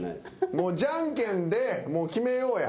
もうじゃんけんで決めようや。